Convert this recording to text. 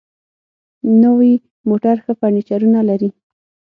نوي موټر ښه فیچرونه لري.